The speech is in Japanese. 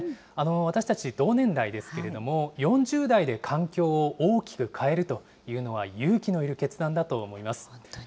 私たち、同年代ですけれども、４０代で環境を大きく変えるというのは、勇気のいる決断だと思い本当に。